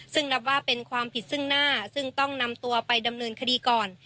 ซึ่งนับว่าเป็นความผิดซึ่งหน้าซึ่งต้องนำตัวไปดำเนินคดีก่อน